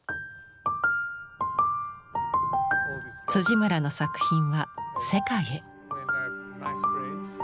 村の作品は世界へ。